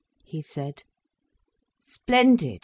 he said. "Splendid.